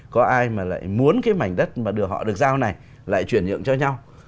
có ai mà lại muốn cái mảnh đất mà được họ được giao này lại chuyển nhượng cho nhau